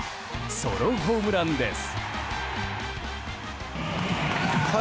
ソロホームランです。